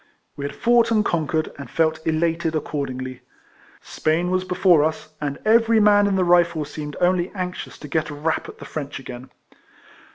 We had fought and conquered, and felt elated accordingly. Spain was before us, and every man in the Rifles seemed only anxious to get a rap at the French again.